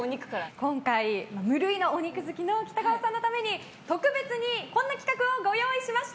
今回、無類のお肉好きの北川さんのために特別にこんな企画をご用意しました。